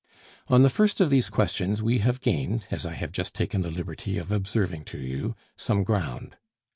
On the first of these questions we have gained (as I have just taken the liberty of observing to you) some ground.